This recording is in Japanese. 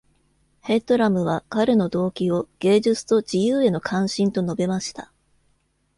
ヘッドラムは彼の動機を「芸術と自由への関心」と述べました。